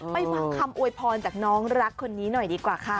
ฟังคำอวยพรจากน้องรักคนนี้หน่อยดีกว่าค่ะ